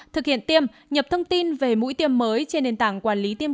thực hiện tiêm nhập thông tin về mũi tiêm mới trên nền tảng quản lý tiêm